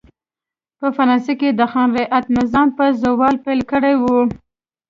په فرانسه کې د خان رعیت نظام په زوال پیل کړی و.